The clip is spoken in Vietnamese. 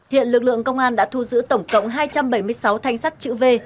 hiện lực lượng công an đã thu giữ tổng cộng hai trăm bảy mươi sáu thanh sắt chữ v